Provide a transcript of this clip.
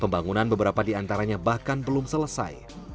pembangunan beberapa diantaranya bahkan belum selesai